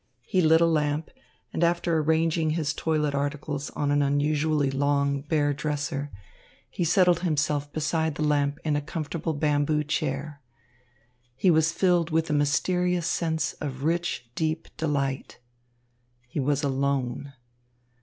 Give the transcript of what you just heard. He lit a lamp, and after arranging his toilet articles on an unusually long, bare dresser, he settled himself beside the lamp in a comfortable bamboo chair. He was filled with a mysterious sense of rich, deep delight. He was alone.